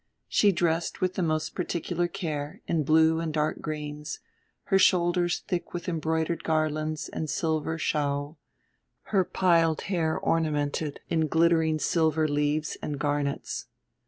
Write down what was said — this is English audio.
She dressed with the most particular care, in blue and dark greens, her shoulders thick with embroidered garlands and silver shou, her piled hair ornamented in glittering silver leaves and garnets.